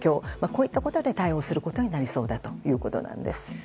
こういったことで対応することになりそうだということです。